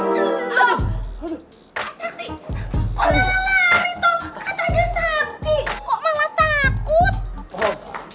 kok malah takut